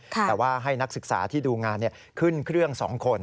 แต่ว่าให้นักศึกษาที่ดูงานขึ้นเครื่อง๒คน